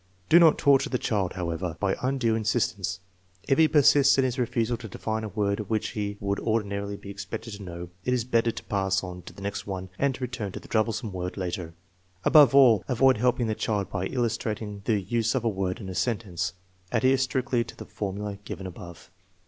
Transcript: Do not torture the child, however, by undue insist ence. If he persists in his refusal to define a word which he would ordinarily be expected to know, it is better to pass on to the next one and to return to the troublesome word later. Above all, avoid helping the child by illustrat ing the use of a word in a sentence. Adhere strictly to the formula given above.